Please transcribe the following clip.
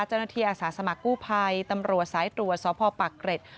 เจ้าหน้าที่อาสาสมัครกู้ภัยตำรวจสายตรวจสพปักเกร็จ